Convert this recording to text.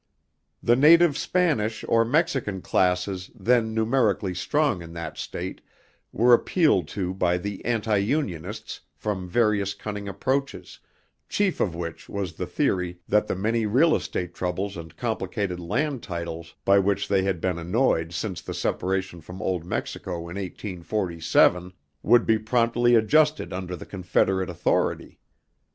The native Spanish or Mexican classes then numerically strong in that state, were appealed to by the anti Unionists from various cunning approaches, chief of which was the theory that the many real estate troubles and complicated land titles by which they had been annoyed since the separation from Old Mexico in 1847, would be promptly adjusted under Confederate authority.